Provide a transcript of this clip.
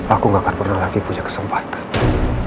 aku gak akan pernah lagi punya kesempatan